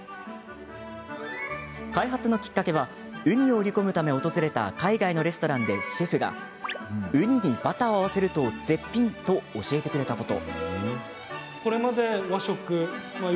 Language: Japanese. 開発のきっかけはウニを売り込むため訪れた海外のレストランで、シェフがウニにバターを合わせると絶品と教えてくれたこと。